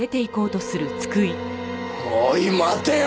おい待てよ！